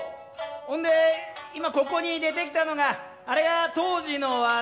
ほんで今ここに出てきたのがあれが当時の儂。